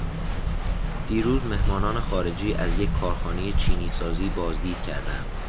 دیروز مهمانان خارجی از یک کارخانهٔ چینی سازی بازدید کردند.